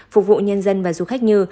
phục vụ nhân dân và du khách như